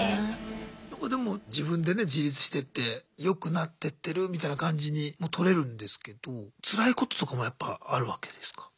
なんかでも自分でね自立してってよくなってってるみたいな感じにもとれるんですけどつらいこととかもやっぱあるわけですか？